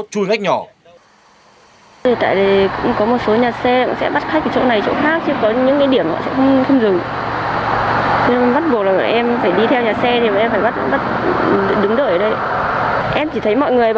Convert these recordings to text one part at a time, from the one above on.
còn anh em lái xe thì không may là nó đột ngột phát nó đến cái thì thấy người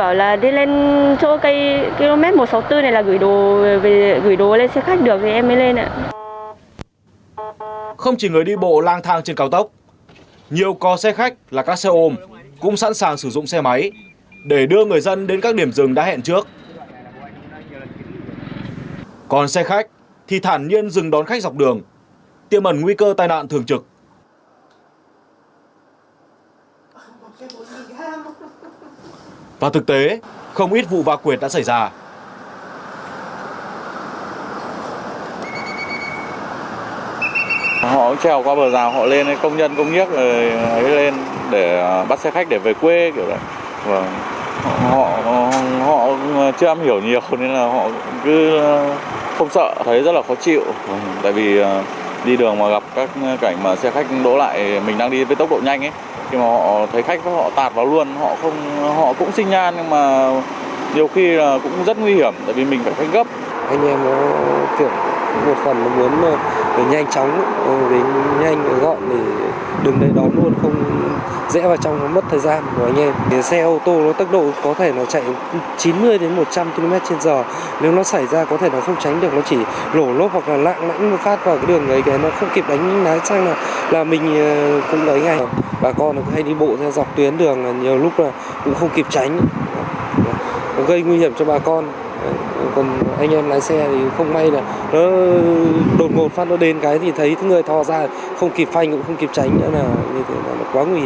thò ra không kịp phanh cũng không kịp tránh nữa như thế là nó quá nguy hiểm